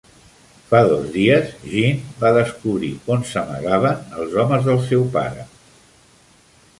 Fa dos dies Jeanne va descobrir on s'amagaven els homes del seu pare.